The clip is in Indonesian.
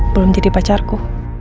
belum jadi pacarku